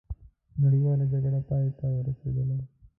نړیواله جګړه پای ته رسېدلې.